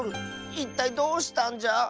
いったいどうしたんじゃ⁉